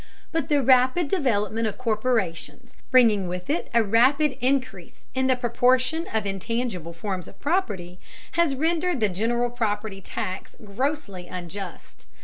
But the rapid development of corporations, bringing with it a rapid increase in the proportion of intangible forms of property, has rendered the general property tax grossly unjust.